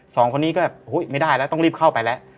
สองคนนี้ก็ไม่ได้แล้วต้องรีบเข้าไปแล้ว